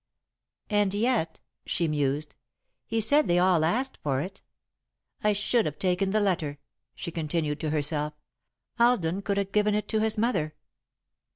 "And yet," she mused, "he said they all asked for it. I should have taken the letter," she continued, to herself. "Alden could have given it to his mother."